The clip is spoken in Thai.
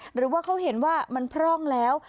หรือว่าเขาเห็นว่ามันพร่องแล้ว